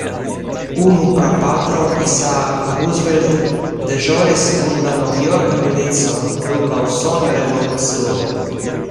Unu prapatro, Isaac Roosevelt, deĵoris kun la novjorka milico dum la Usona Revolucio.